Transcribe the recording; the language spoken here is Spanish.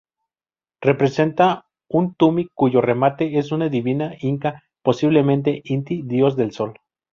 Representa un tumi cuyo remate es una divinidad inca, posiblemente Inti, dios del sol.